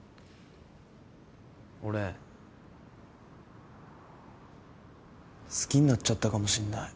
俺好きになっちゃったかもしんない。